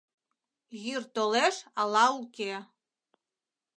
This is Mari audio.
ЙӰР ТОЛЕШ АЛА УКЕ